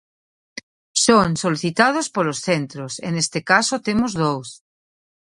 Son solicitados polos centros, e neste caso temos dous.